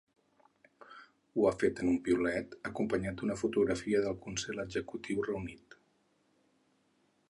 Ho ha fet en un piulet acompanyat d’una fotografia del consell executiu reunit.